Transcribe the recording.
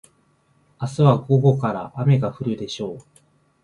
明日は午後から雨が降るでしょう。